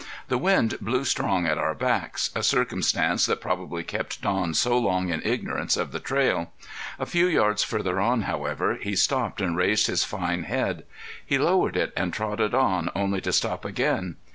The wind blew strong at our backs, a circumstance that probably kept Don so long in ignorance of the trail. A few yards further on, however, he stopped and raised his fine head. He lowered it and trotted on only to stop again.